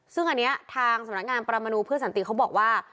ซึ่งอันนี้ทางสำนักงานประมนูเพื่อสันติเขาบอกว่า